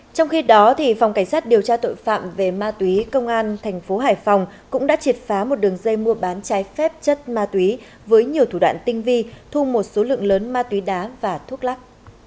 trong khi đó phòng cảnh sát điều tra tội phạm về ma túy công an thành phố hải phòng cũng đã triệt phá một đường dây mua bán trái phép chất ma túy với nhiều thủ đoạn tinh vi thu một số lượng lớn ma túy đá và thuốc lắc